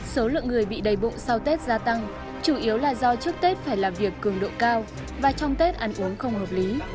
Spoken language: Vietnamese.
số lượng người bị đầy bụng sau tết gia tăng chủ yếu là do trước tết phải làm việc cường độ cao và trong tết ăn uống không hợp lý